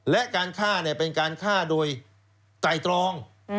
และการฆ่าเป็นการฆ่าโดยไตรตรอง